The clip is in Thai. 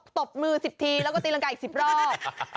ตบมือสิบทีแล้วก็ตีลังกายอีกสิบรอบ